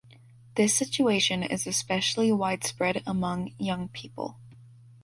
This situation is especially widespread among young people.